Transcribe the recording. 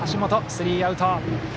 スリーアウト。